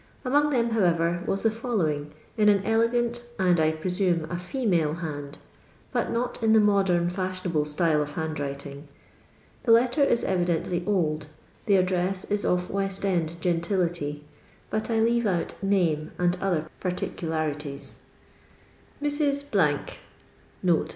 Among them, however, was the following, in an elegant, and I presume a female band, but not in the modern fashionable style of handwriting. The letter is evidently old, the addreu is of West end centility, but I leave out name and other parti cularities :—." Mrs. I.